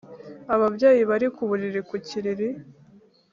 ababyeyi bari ku buriri ku kiriri